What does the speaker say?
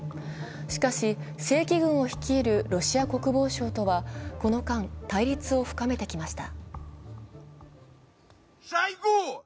しかし正規軍を率いるロシア国防省とはこの間、対立を深めてきました。